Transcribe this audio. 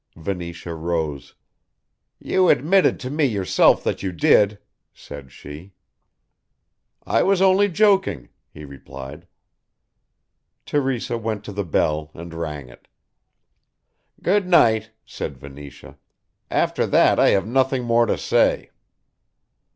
Venetia rose. "You admitted to me, yourself, that you did," said she. "I was only joking," he replied. Teresa went to the bell and rang it. "Good night," said Venetia, "after that I have nothing more to say."